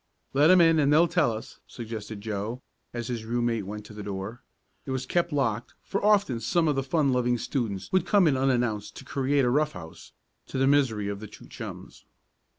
"Let 'em in and they'll tell us," suggested Joe, as his roommate went to the door. It was kept locked, for often some of the fun loving students would come in unannounced to create a "rough house," to the misery of the two chums.